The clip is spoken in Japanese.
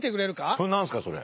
それ何ですかそれ。